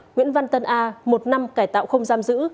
nguyễn văn tân a một năm cải tạo không giam giữ